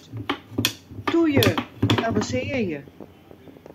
Toe ju, wat avensearje!